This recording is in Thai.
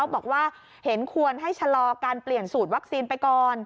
บอกว่าเห็นควรให้ชะลอการเปลี่ยนสูตรวัคซีนไปก่อน